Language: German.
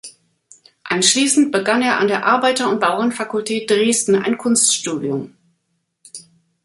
Anschließend begann er an der Arbeiter-und-Bauern-Fakultät Dresden ein Kunststudium.